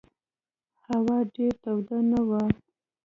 هوا ډېره توده نه وه.